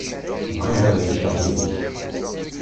Bɣiɣ ad εiceɣ yid-k.